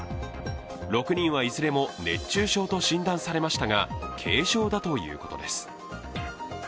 ６人はいずれも熱中症と診断されましたが軽症だということです。